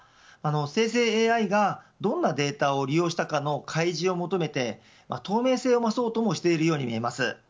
生成ＡＩがどんなデータを利用したかの開示を求めて透明性を増そうともしているように見えます。